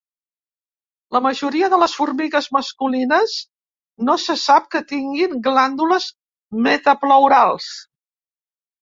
La majoria de les formigues masculines no se sap que tinguin glàndules metapleurals.